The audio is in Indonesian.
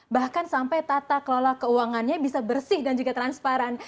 bahkan sampai tata kelola keuangannya bisa bersih dan juga transparan